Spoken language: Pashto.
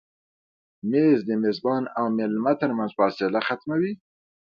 مېز د میزبان او مېلمه تر منځ فاصله ختموي.